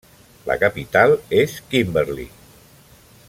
La capital és Kimberley.